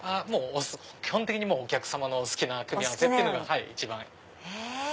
基本的にお客様のお好きな組み合わせが一番。